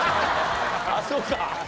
あっそうか。